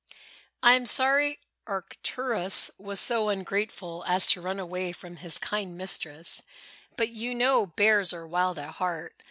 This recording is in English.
I am sorry Arcturus was so ungrateful as to run away from his kind mistress, but you know bears are wild at heart.